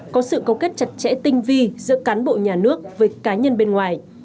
có sự cầu kết chặt chẽ tinh vi giữa cán bộ nhà nước với cá nhân bên ngoài